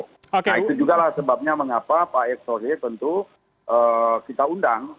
nah itu jugalah sebabnya mengapa pak erick thohir tentu kita undang